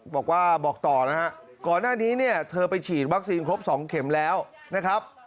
บอกว่าบอกต่อนะฮะก่อนหน้านี้เนี่ยเธอไปฉีดวัคซีนครบ๒เข็มแล้วนะครับ